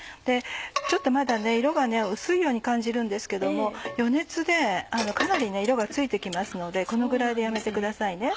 ちょっとまだ色が薄いように感じるんですけども余熱でかなり色がついて来ますのでこのぐらいでやめてくださいね。